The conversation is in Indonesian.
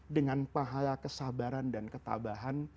dengan pahala kesabaran dan ketabahan